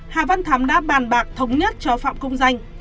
hà văn thắm đã bàn bạc thống nhất cho phạm công danh